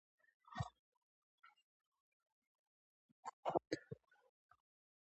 ازادي راډیو د روغتیا په اړه د بریاوو مثالونه ورکړي.